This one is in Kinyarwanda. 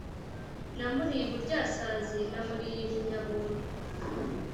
namuriye i Buryasazi, namuriye i Bunyabuntu,